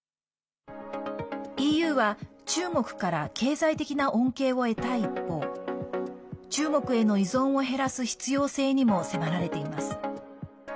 ＥＵは、中国から経済的な恩恵を得たい一方中国への依存を減らす必要性にも迫られています。